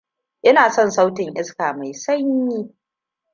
Ina son sautin iska mai sanyi.